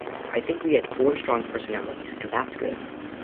I think we had four strong personalities, and that's good.